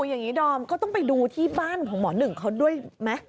อย่างนี้ดอมก็ต้องไปดูที่บ้านของหมอหนึ่งเขาด้วยไหม